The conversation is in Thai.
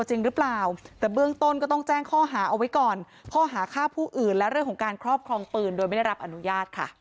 จริงหรือกับเปล่า